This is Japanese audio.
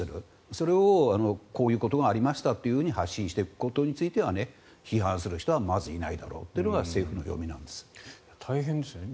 それをこういうことがありましたと発信していくということに関しては批判する人はまずいないだろうというのが政府の読みなんですね。